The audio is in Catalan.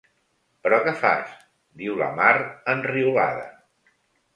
Però què fas? —diu la Mar, enriolada.